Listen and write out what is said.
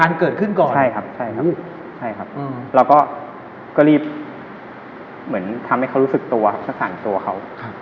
เราก็รีบทำให้เขารู้สึกตัวและสั่นตัวเขา